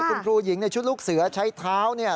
คุณครูหญิงในชุดลูกเสือใช้เท้าเนี่ย